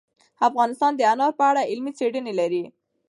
افغانستان د انار په اړه علمي څېړنې لري.